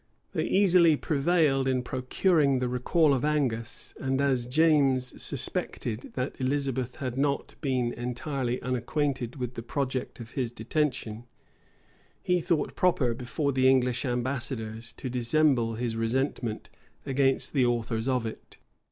They easily prevailed in procuring the recall of Angus; and as James suspected, that Elizabeth had not been entirely unacquainted with the project of his detention, he thought proper, before the English ambassadors, to dissemble his resentment against the authors of it.